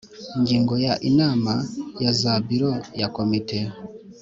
Ingingo ya Inama za Biro ya Komite